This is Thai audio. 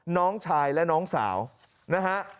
น้องชายและน้องสาวนะฮะ